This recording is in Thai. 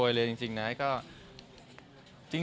ไม่เคยจะอยากโกยรู้